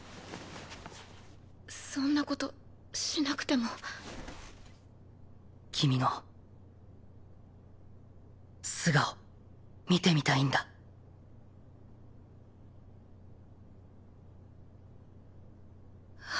そんなことしなくても君の素顔見てみたいんだは